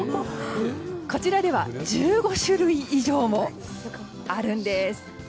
こちらでは１５種類以上もあるんです。